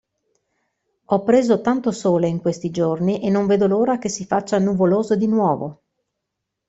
Ho preso tanto sole in questi giorni e non vedo l'ora che si faccia nuvoloso di nuovo!